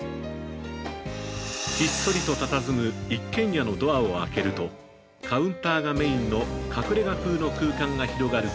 ひっそりとたたずむ一軒家のドアを開けるとカウンターがメインの隠れ家風の空間が広がる